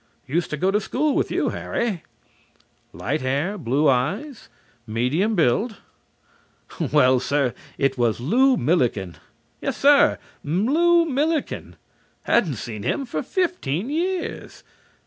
Used to go to school with you, Harry ... Light hair and blue eyes ... Medium build ... Well, sir, it was Lew Milliken. Yessir, Lew Milliken. Hadn't seen him for fifteen years.